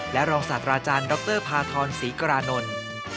และรองศาสตราอาจารย์ดรพาทรศรีกรานนท์